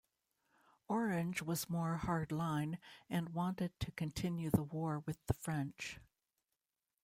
Orange was more hard-line and wanted to continue the war with the French.